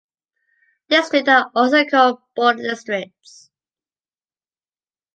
district are also called “border districts”.